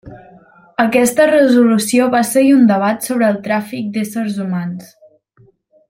Aquesta resolució va seguir un debat sobre el tràfic d'éssers humans.